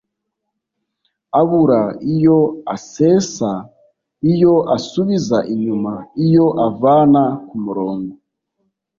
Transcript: abura iyo asesa: iyo asubiza inyuma, iyo avana ku murongo